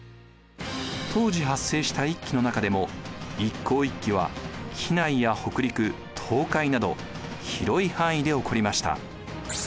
当時発生した一揆の中でも一向一揆は畿内や北陸東海など広い範囲で起こりました。